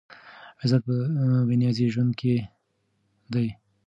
عزت په بې نیازه ژوند کې دی.